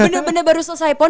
bener bener baru selesai pon